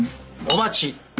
お待ち！